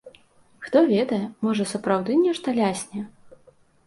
Хто ведае, можа сапраўды нешта лясне?